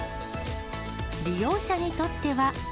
利用者にとっては。